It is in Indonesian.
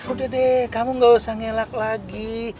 udah deh kamu gak usah ngelak lagi